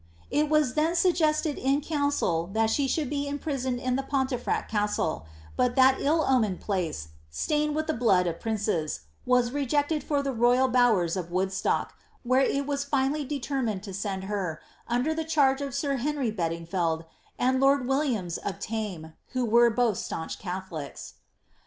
It was then suggested in council that she should be imprisoned at Pontefracl Castle;* but that ill omened place, jitained with the blootl of princes," was rejected for the royal bowers of Woodstock, where it was finally determined to send her, under the charge of sir Henry Bedingfeld, and lord Williams of Tame, who were both stanch catholics.